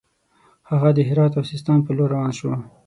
هغه د هرات او سیستان پر لور روان شو.